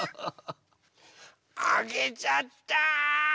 あげちゃった！